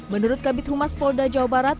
menurut kabit humas polda jawa barat